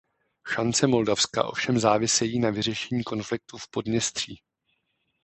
Šance Moldavska ovšem závisejí na vyřešení konfliktu v Podněstří.